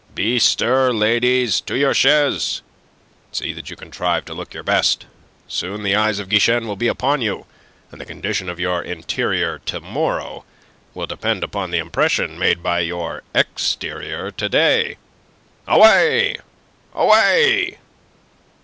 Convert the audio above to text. Bestir, ladies! To your chaise, and see that you contrive to look your best. Soon the eyes of Guichen will be upon you, and the condition of your interior to morrow will depend upon the impression made by your exterior to day. Away! Away!"